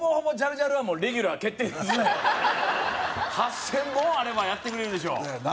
ジャルは８０００本あればやってくれるでしょそやな